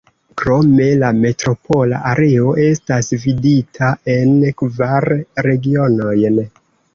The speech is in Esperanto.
Krome, la metropola areo estas dividita en kvar regionojn.